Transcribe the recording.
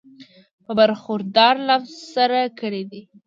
پۀ برخوردار لفظ سره کړی دی